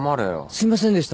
すみませんでした。